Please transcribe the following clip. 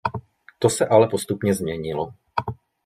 To se ale postupně změnilo.